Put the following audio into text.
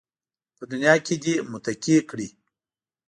په دنیا کې دې متقي کړي